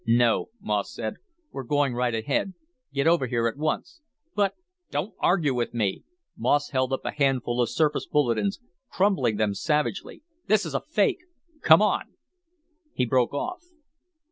"No," Moss said. "We're going right ahead. Get over here at once." "But " "Don't argue with me." Moss held up a handful of surface bulletins, crumpling them savagely. "This is a fake. Come on!" He broke off.